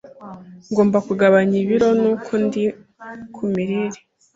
Ngomba kugabanya ibiro, nuko ndi kumirire.